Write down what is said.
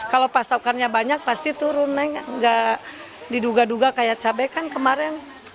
kalau pasokannya banyak pasti turun naik nggak diduga duga kayak cabai kan kemarin